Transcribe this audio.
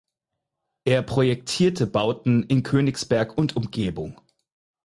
Er projektierte Bauten in Königsberg und Umgebung.